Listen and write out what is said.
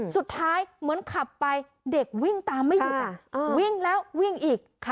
สุดท้ายเหมือนขับไปเด็กวิ่งตามไม่หยุดวิ่งแล้ววิ่งอีก